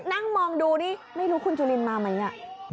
นั่งมองดูดิไม่รู้คุณจุลินมาไหม